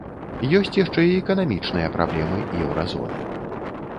Ёсць яшчэ і эканамічныя праблемы еўразоны.